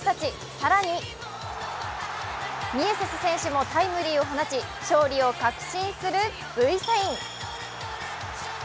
更にミエセス選手もタイムリーを放ち勝利を確信するＶサイン。